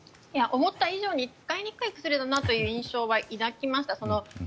思った以上に使いにくい薬だなという印象は抱きました。